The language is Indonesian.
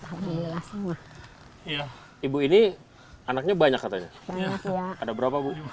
iya iya ibu ini anaknya banyak katanya ada berapa itu